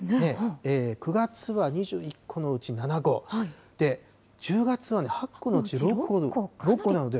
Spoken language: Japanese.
９月は２１個のうち７個、で、１０月はね、８個のうち６個なので。